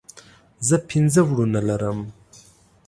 زه پنځه وروڼه لرم